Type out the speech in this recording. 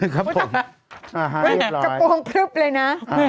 กระโปรงพลึบเลยนะ